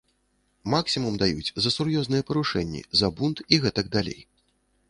Максімум даюць за сур'ёзныя парушэнні, за бунт і гэтак далей.